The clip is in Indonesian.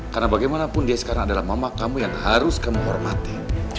karena bagaimanapun dia sekarang adalah mama kamu yang harus kamu hormati